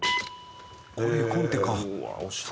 これ絵コンテか。